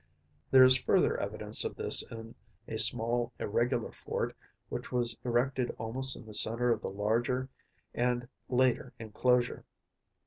There is further evidence of this in a small irregular fort which was erected almost in the centre of the larger and later enclosure.